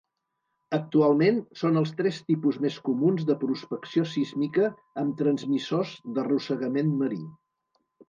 Actualment són els tres tipus més comuns de prospecció sísmica amb transmissors d"arrossegament marí.